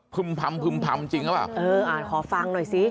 พึ่มพำพึ่มพำจริงหรือเปล่าขอฟังหน่อยสิ